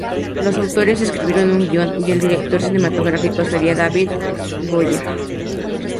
Los autores escribieron un guion, y el director cinematográfico sería David S. Goyer.